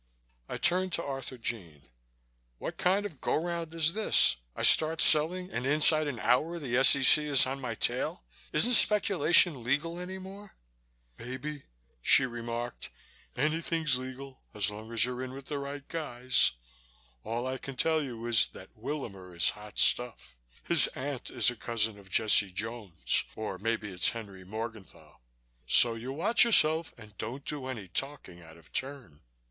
I turned to Arthurjean. "What kind of go round is this? I start selling and inside an hour the S.E.C. is on my tail. Isn't speculation legal any more?" "Baby," she remarked, "anything's legal as long as you're in with the right guys. All I can tell you is that Willamer is hot stuff. His aunt is a cousin of Jesse Jones or maybe it's Henry Morgenthau. So you watch yourself and don't do any talking out of turn."